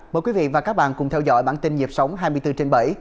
mời quý vị và các bạn cùng theo dõi bản tin nhịp sống hai mươi bốn trên bảy